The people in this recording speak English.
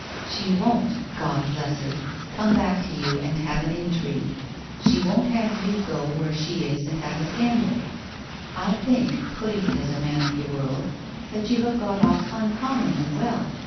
She won't — God bless her! — come back to you and have an intrigue ; she won't have you go where she is and have a scandal. I think, putting it as a man of the world, that you have got off uncommonly well.